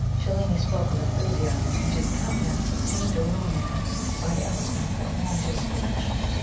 Cellini spoke with enthusiasm, and his countenance seemed illumined by the eloquence that warmed his speech.